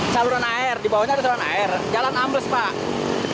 saluran air di bawahnya ada saluran air jalan ambles pak